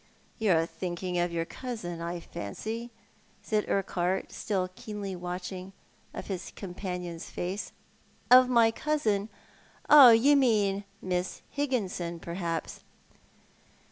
" Yon are thinking of your cousin, I fancy," said Urquhart, still keenly watchful of his companion's face. " Of my cousin. You mean I\Iiss Higginson, perhaps